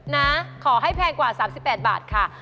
นะขอให้แพงกว่า๓๘บาทค่ะ